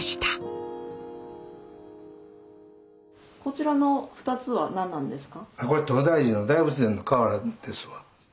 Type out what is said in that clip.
こちらの２つは何なんですか？